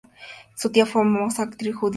Su tía es la famosa actriz Judi Dench.